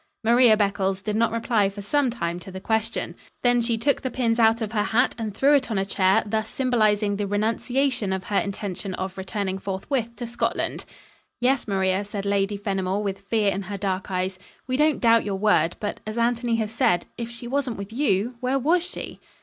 Maria Beccles did not reply for some time to the question. Then she took the pins out of her hat and threw it on a chair, thus symbolising the renunciation of her intention of returning forthwith to Scotland. "Yes, Maria," said Lady Fenimore, with fear in her dark eyes, "we don't doubt your word but, as Anthony has said, if she wasn't with you, where was she?"